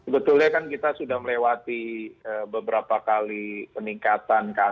betul ya kan kita sudah melewati beberapa kali peningkatan dan pergerakan